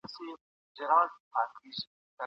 جغرافیه رامنځته کول دي. دا طرحه په ظاهره ډير